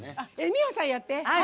美穂さん、やって。